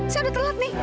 saya udah telat nih